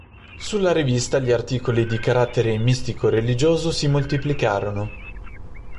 Sulla rivista gli articoli di carattere mistico-religioso si moltiplicarono.